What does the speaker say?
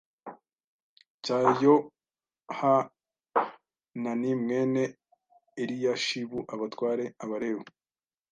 cya Yohanani mwene Eliyashibu Abatware Abalewi